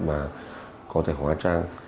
mà có thể hóa trang